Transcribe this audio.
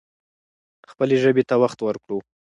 خپلې ژبې ته وخت ورکړو.